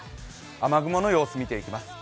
雨雲の様子見ていきます。